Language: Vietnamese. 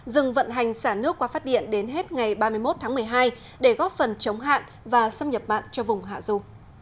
dừng vận hành xả nước qua phát điện đến hết ngày ba mươi một tháng một mươi hai để góp phần chống hạn và xâm nhập mặn cho vùng hạ du